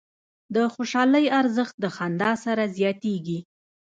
د خوشحالۍ ارزښت د خندا سره زیاتېږي.